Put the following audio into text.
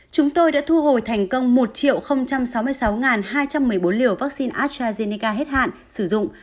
chúng tôi đã thu hồi thành công một sáu mươi sáu hai trăm một mươi bốn liều vaccine astrazeneca hết hạn sử dụng